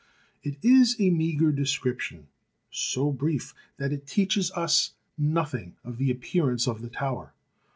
It is a meagre description, so brief that it teaches us nothing of the appearance of the tower.